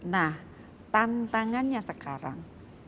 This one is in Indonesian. nah tantangannya sekarang